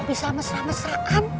kita tak bisa breadingan